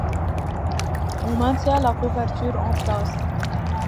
On maintient la couverture en place.